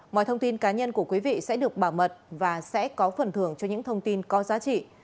mọi thông tin cá nhân của quý vị sẽ được bảo mật và sẽ có phần thưởng cho những thông tin có giá trị